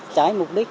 trái mục đích